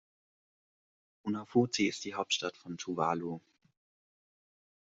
Funafuti ist die Hauptstadt von Tuvalu.